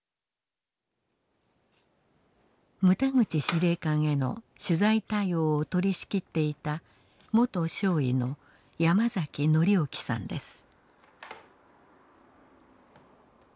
牟田口司令官への取材対応を取りしきっていた元少尉の山教興さんです。